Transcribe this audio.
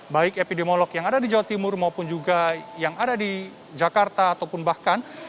baik epidemiolog yang ada di jawa timur maupun juga yang ada di jakarta ataupun bahkan